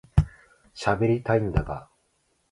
しゃべりたいんだが